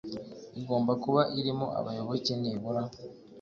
igomba kuba irimo abayoboke nibura